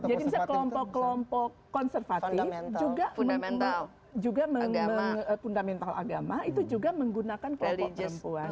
jadi misalnya kelompok kelompok konservatif juga fundamental agama itu juga menggunakan kelompok perempuan